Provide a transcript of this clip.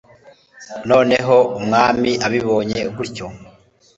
noneho umwami abibonye gutyo